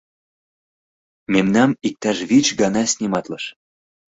Мемнам иктаж вич гана сниматлыш.